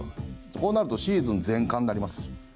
こうなるとシーズン全冠になります。